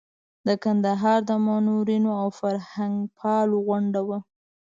د کندهار منورینو او فرهنګپالو غونډه وه.